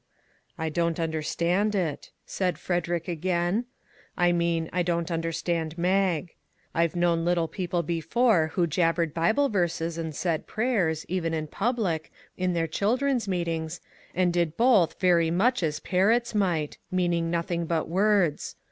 " I don't understand it," said Frederick again " I mean I don't understand Mag. I've known little people before who jabbered Bible verses and said prayers, even in public, in their children's meetings, and did both very much as parrots might ; meaning nothing but words.